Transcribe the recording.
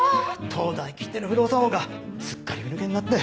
当代きっての不動産王がすっかりふ抜けになって。